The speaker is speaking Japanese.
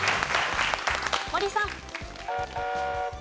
森さん。